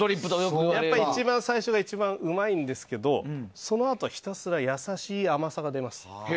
一番最初が一番うまいんですけどそのあとはひたすら優しい甘さが出ます。